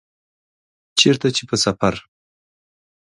چیرته چي په سفر